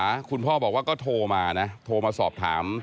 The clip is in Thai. ครั้งนั้นคุณพ่อบอกว่าโทรมานะโทรมาสอบถาม